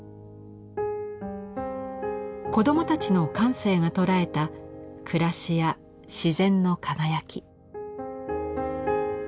子どもたちの感性が捉えた暮らしや自然の輝き。